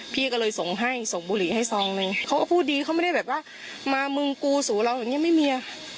พี่ก็เลยส่งให้ส่งบุหรี่ให้ซองนึงเขาก็พูดดีเขาไม่ได้แบบว่ามามึงกูสู่เราอย่างนี้ไม่มี